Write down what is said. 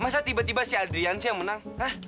masa tiba tiba si hadrian sih yang menang